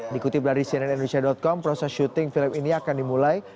dikutip dari cnn indonesia com proses syuting film ini akan dimulai